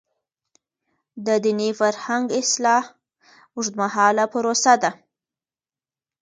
د دیني فرهنګ اصلاح اوږدمهاله پروسه ده.